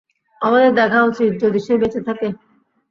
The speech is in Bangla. আমাদের দেখা উচিত যদি সে বেঁচে থাকে।